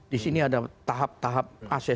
di sini ada tahap tahap aset